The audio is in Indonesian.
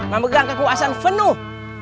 memegang kekuasaan penuh